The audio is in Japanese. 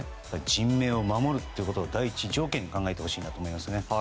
人命を守ることを第一条件に考えてほしいと思いますね。